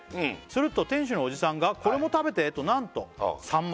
「すると店主のおじさんが『これも食べて』と何と」さん